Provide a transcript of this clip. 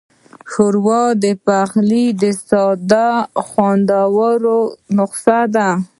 ښوروا د پخلي ساده خو خوندوره نسخه ده.